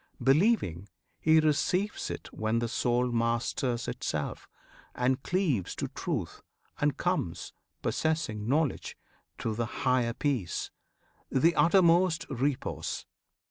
Believing, he receives it when the soul Masters itself, and cleaves to Truth, and comes Possessing knowledge to the higher peace, The uttermost repose.